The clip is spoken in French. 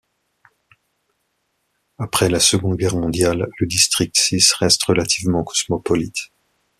Après la Seconde Guerre mondiale, le District Six reste relativement cosmopolite.